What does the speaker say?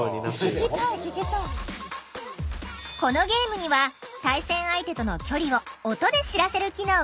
このゲームには対戦相手との距離を音で知らせる機能が搭載されている。